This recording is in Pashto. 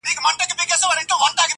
o کټو په درې چلي ماتېږي.